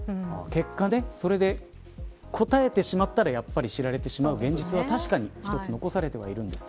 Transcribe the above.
結果、それで答えてしまったらやっぱり知られてしまう現実は確かに一つ残されてはいるんです。